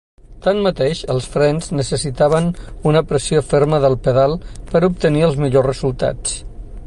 Tanmateix, els frens necessitaven "una pressió ferma del pedal ... per obtenir els millors resultats".